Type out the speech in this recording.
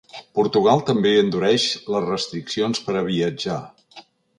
Portugal també endureix les restriccions per a viatjar.